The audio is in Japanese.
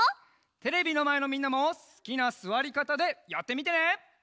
テレビのまえのみんなもすきなすわりかたでやってみてね。